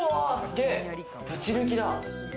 ぶち抜きだ。